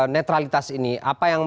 netralitas ini apa yang